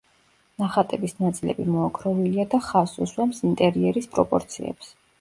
ნახატების ნაწილები მოოქროვილია და ხაზს უსვამს ინტერიერის პროპორციებს.